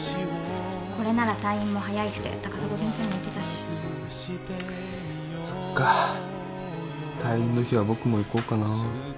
これなら退院も早いって高砂先生も言ってたしそっか退院の日は僕も行こうかな